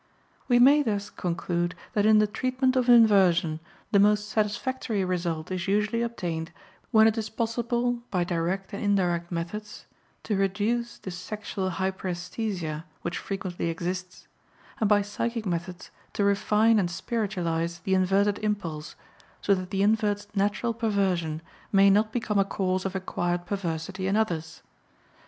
We may thus conclude that in the treatment of inversion the most satisfactory result is usually obtained when it is possible by direct and indirect methods to reduce the sexual hyperesthesia which frequently exists, and by psychic methods to refine and spiritualize the inverted impulse, so that the invert's natural perversion may not become a cause of acquired perversity in others.